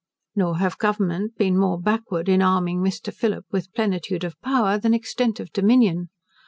Nor have Government been more backward in arming Mr. Phillip with plenitude of power, than extent of dominion.